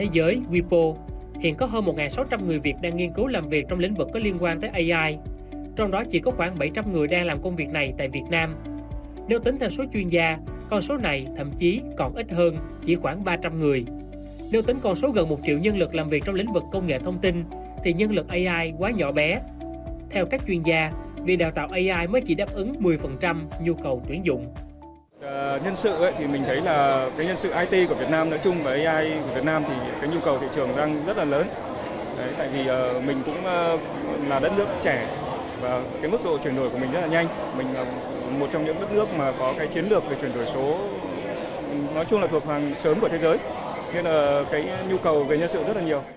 mình là một trong những đất nước có chiến lược chuyển đổi số nói chung là thuộc hàng sớm của thế giới nên nhu cầu về nhân sự rất là nhiều